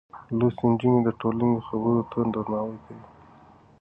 لوستې نجونې د ټولنې خبرو ته درناوی کوي.